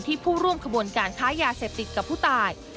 ผู้ร่วมขบวนการค้ายาเสพติดกับผู้ตาย